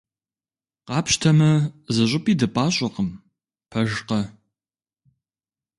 Къапщтэмэ, зыщӀыпӀи дыпӀащӀэкъым, пэжкъэ?!